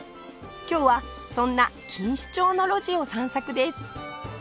今日はそんな錦糸町の路地を散策です